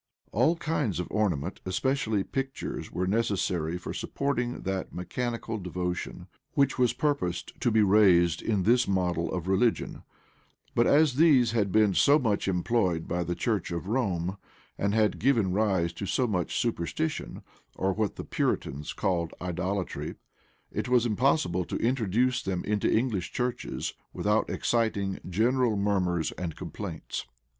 All kinds of ornament, especially pictures, were necessary for supporting that mechanical devotion which was purposed to be raised in this model of religion: but as these had been so much employed by the church of Rome, and had given rise to so much superstition, or what the Puritans called idolatry it was impossible to introduce them into English churches without exciting general murmurs and complaints.